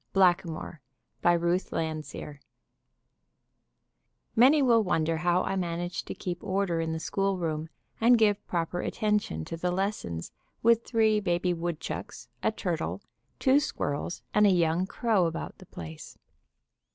BLACKAMOOR By Ruth Landseer Many will wonder how I managed to keep order in the schoolroom and give proper attention to the lessons with three baby woodchucks, a turtle, two squirrels and a young crow about the place.